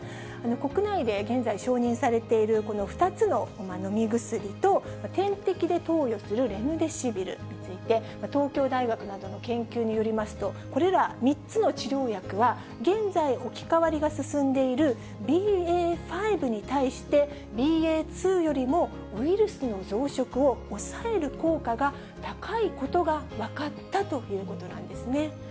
国内で現在、承認されている、この２つの飲み薬と、点滴で投与されるレムデシビルについて、東京大学などの研究によりますと、これら３つの治療薬は、現在、置き換わりが進んでいるＢＡ．５に対して、ＢＡ．２よりもウイルスの増殖を抑える効果が高いことが分かったということなんですね。